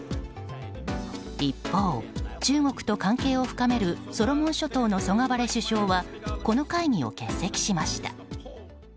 一方、中国と関係を深めるソロモン諸島のソガバレ首相はこの会議を欠席しました。